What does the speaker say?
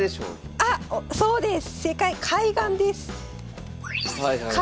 あっそうです！